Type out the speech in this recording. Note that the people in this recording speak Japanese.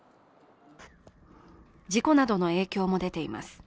事故などの影響も出ています。